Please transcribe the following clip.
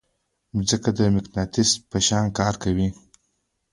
ځمکه د مقناطیس په شان کار کوي.